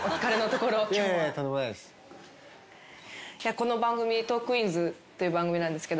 この番組『トークィーンズ』という番組なんですけど。